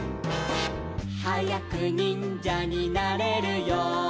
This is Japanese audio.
「はやくにんじゃになれるように」